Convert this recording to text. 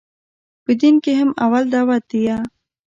په دين کښې هم اول دعوت ديه.